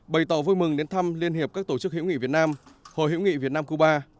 bày tỏ vui mừng đến thăm liên hiệp các tổ chức hiểu nghị việt nam hội hữu nghị việt nam cuba